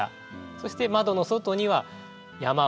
そして窓の外には「山笑う」